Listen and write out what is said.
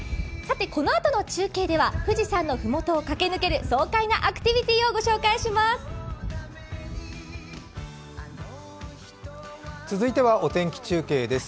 このあとの中継では富士山のふもとを駆け抜ける爽快なアクティビティを御紹介します。